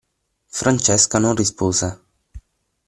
Francesca non rispose.